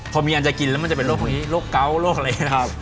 พอมีอันจะกินมันจะเป็นโรคกัวโรคอะไร